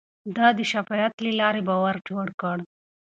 ده د شفافيت له لارې باور جوړ کړ.